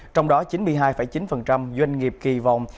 trong đó chín mươi hai chín doanh nghiệp kỳ vọng